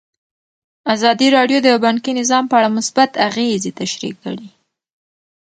ازادي راډیو د بانکي نظام په اړه مثبت اغېزې تشریح کړي.